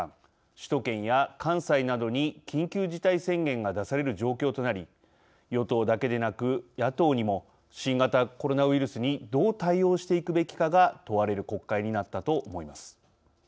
首都圏や関西などに緊急事態宣言が出される状況となり与党だけでなく野党にも新型コロナウイルスにどう対応していくべきかが問われる国会になったと思います。